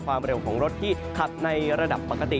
ความเร็วของรถที่ขับในระดับปกติ